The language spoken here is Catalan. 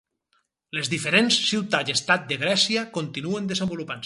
Les diferents ciutats estat de Grècia continuen desenvolupant-se.